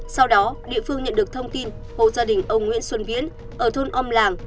sau đó địa phương nhận được thông tin hộ gia đình ông nguyễn xuân viến ở thôn âm làng